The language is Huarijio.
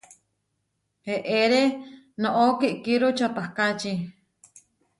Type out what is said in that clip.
Eʼeré noʼó kiʼkíru čapahkáči.